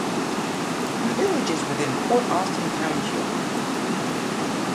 The village is within Port Austin Township.